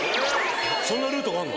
そんなルートがあるの？